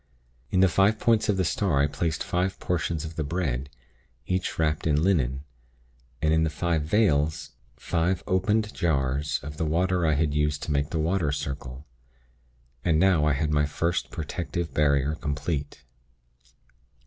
In the five points of the star I placed five portions of the bread, each wrapped in linen, and in the five 'vales,' five opened jars of the water I had used to make the 'water circle.' And now I had my first protective barrier complete.